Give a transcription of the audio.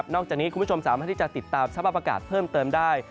จากนี้คุณผู้ชมสามารถที่จะติดตามสภาพอากาศเพิ่มเติมได้